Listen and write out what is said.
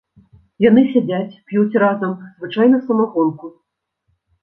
Яны сядзяць, п'юць разам, звычайна самагонку.